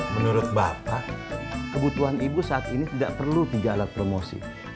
menurut bapak kebutuhan ibu saat ini tidak perlu tiga alat promosi